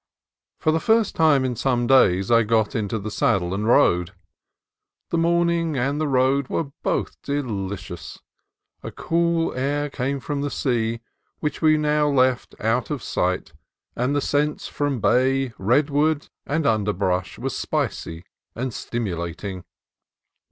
For the first time for some days I got into the saddle and rode. The morning and the road were both delicious. A cool air came from the sea, which we now left out of sight, and the scents from bay, redwood, and under brush were spicy and stimulating.